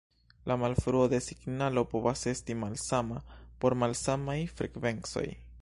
La malfruo de signalo povas esti malsama por malsamaj frekvencoj.